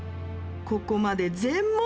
ここまで全問正解！